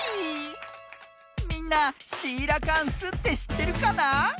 みんなシーラカンスってしってるかな？